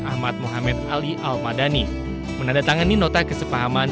ahmad mohamed ali al madani menandatangani nota kesepahaman